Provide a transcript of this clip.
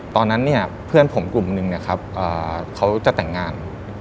ตอนนั้นเพื่อนผมกลุ่มหนึ่งเขาจะแต่งงาน